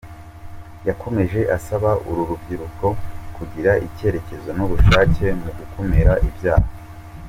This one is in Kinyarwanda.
Yakomeje asaba uru rubyiruko kugira icyerekezo n’ubushake mu gukumira ibyaha.